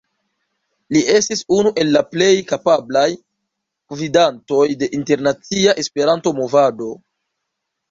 Li estis unu el la plej kapablaj gvidantoj de internacia Esperanto-movado.